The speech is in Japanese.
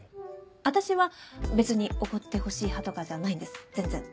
私は別におごってほしい派とかじゃないんです全然。